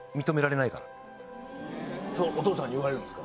そうお父さんに言われるんですか？